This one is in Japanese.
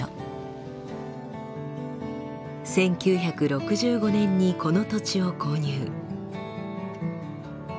１９６５年にこの土地を購入。